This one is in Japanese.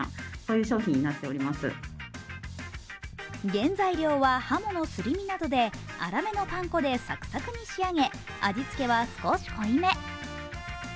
原材料ははものすり身などで粗めのパン粉でサクサクに仕上げ味付けは少し濃いめ。